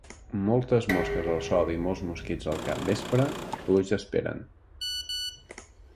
Moltes mosques al sol i molts mosquits al capvespre, pluja esperen.